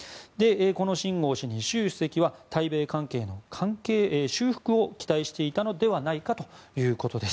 このシン・ゴウ氏に習主席は対米関係の修復を期待していたのではないかということです。